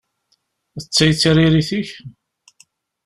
D ta i d tiririt-ik?